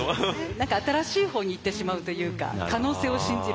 何か新しい方にいってしまうというか可能性を信じる。